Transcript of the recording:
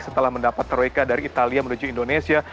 setelah mendapat troika dari italia menuju indonesia